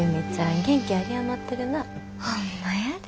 ホンマやで。